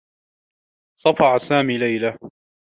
صفع سامي ليلى.